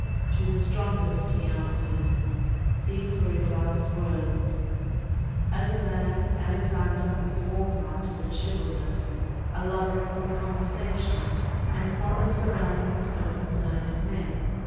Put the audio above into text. "To the strongest," he an swered. These were his last words. As a man , Alexander was warm hearted and chivalrous, a lover of good conversation, and fond of surrounding himself with learned men.